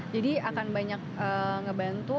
jadi akan banyak ngebantu